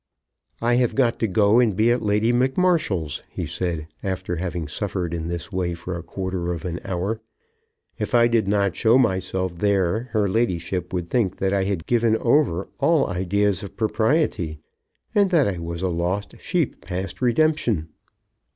"I have got to go and be at Lady McMarshal's," he said, after having suffered in this way for a quarter of an hour. "If I did not show myself there her ladyship would think that I had given over all ideas of propriety, and that I was a lost sheep past redemption."